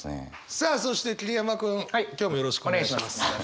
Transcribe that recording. さあそして桐山君今日もよろしくお願いします。